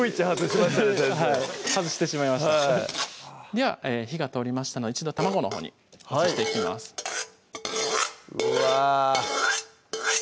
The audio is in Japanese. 先生はい外してしまいましたでは火が通りましたので一度卵のほうに移していきますうわ